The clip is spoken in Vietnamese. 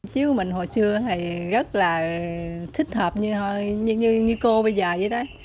chiếu mình hồi xưa thì rất là thích hợp như cô bây giờ vậy đó